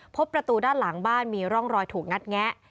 ประตูด้านหลังบ้านมีร่องรอยถูกงัดแงะ